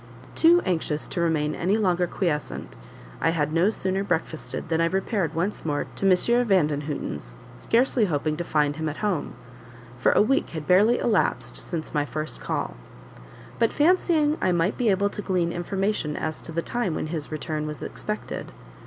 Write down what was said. Too anxious to remain any longer quiescent, I had no sooner breakfasted, than I repaired once more to M. Vandenhuten's, scarcely hoping to find him at home; for a week had barely elapsed since my first call: but fancying I might be able to glean information as to the time when his return was expected.